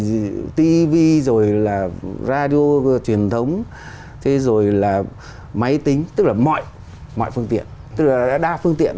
gì tivi rồi là radio truyền thống thế rồi là máy tính tức là mọi mọi phương tiện tựa đa phương tiện